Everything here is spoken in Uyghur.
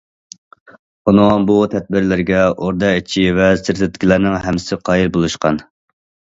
ئۇنىڭ بۇ تەدبىرلىرىگە ئوردا ئىچى ۋە سىرتىدىكىلەرنىڭ ھەممىسى قايىل بولۇشقان.